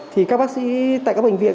thì các bác sĩ tại các bệnh viện